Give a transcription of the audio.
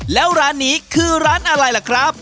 แล้วร้านนี้คือร้านอะไรล่ะครับ